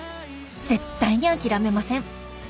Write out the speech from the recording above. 絶対に諦めません。